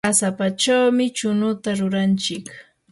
qasapachawmi chunuta ruranchik.